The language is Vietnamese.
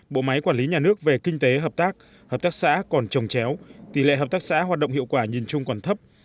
bộ máy quản lý nhà nước về kinh tế hợp tác hợp tác xã còn trồng chéo tỷ lệ hợp tác xã hoạt động hiệu quả nhìn chung còn thấp